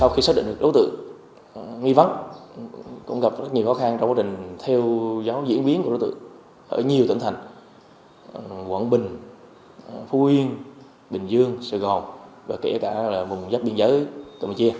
sau khi xác định được đấu tự nghi vấn cũng gặp rất nhiều khó khăn trong quá trình theo dõi diễn biến của đấu tự ở nhiều tỉnh thành quận bình phú yên bình dương sài gòn và kể cả là vùng dắt biên giới campuchia